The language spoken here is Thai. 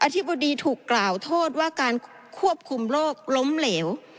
ธิบดีถูกกล่าวโทษว่าการควบคุมโรคล้มเหลว